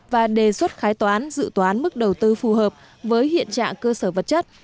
và đề xuất khái toán dự toán mức đầu tư phù hợp với hiện trạng cơ sở vật chất